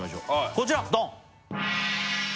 こちらドン！